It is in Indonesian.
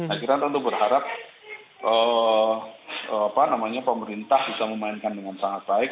akhirnya tentu berharap pemerintah bisa memainkan dengan sangat baik